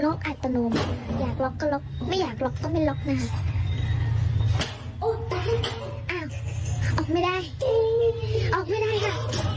เรียบอยู่ประตูจนออกไม่ได้ชีวิตชีวิตบ้านมักหูอ๋อหลุดหลุดออกมาหมดแล้วอุ้ย